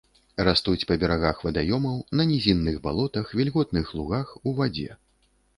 Растуць па берагах вадаёмаў, на нізінных балотах, вільготных лугах, у вадзе.